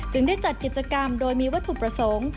ได้จัดกิจกรรมโดยมีวัตถุประสงค์